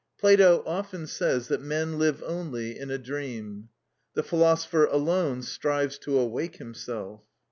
Plato often says that men live only in a dream; the philosopher alone strives to awake himself.